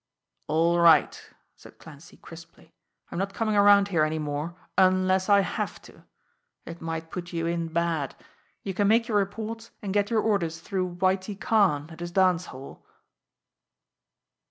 "All right!" said Clancy crisply. "I'm not coming around here any more unless I have to. It might put you in bad. You can make your reports and get your orders through Whitie Karn at his dance hall."